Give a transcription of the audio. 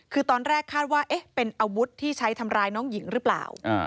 คือตอนแรกคาดว่าเป็นอาวุธที่ใช้ทำร้ายน้องหญิงหรือเปล่า